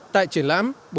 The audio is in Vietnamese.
tại triển lãm